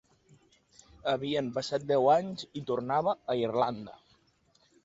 Havien passat deu anys i tornava a Irlanda.